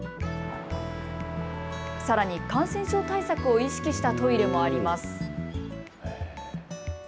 さらに感染症対策を意識したトイレもあります。